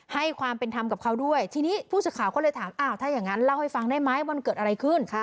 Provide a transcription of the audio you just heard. ให้ความเป็นธรรมกับเขาด้วยทีนี้ผู้สื่อข่าวก็เลยถามอ้าวถ้าอย่างนั้นเล่าให้ฟังได้ไหมมันเกิดอะไรขึ้น